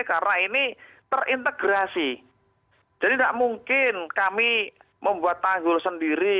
karena ini terintegrasi jadi tidak mungkin kami membuat tanggul sendiri